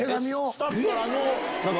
スタッフからの。